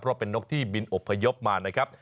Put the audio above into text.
เพราะเป็นนกที่บินอบพยพมานะครับ